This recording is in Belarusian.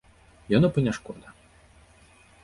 Яно б і не шкода.